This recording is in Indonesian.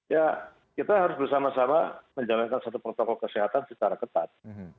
ya kita harus bersama sama menjalankan satu protokol kesehatan secara ketat